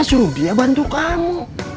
suruh dia bantu kamu